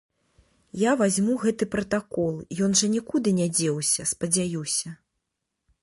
Я вазьму гэты пратакол, ён жа нікуды не дзеўся, спадзяюся.